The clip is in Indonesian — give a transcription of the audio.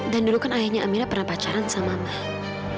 dan dulu kan ayahnya amira pernah pacaran sama mama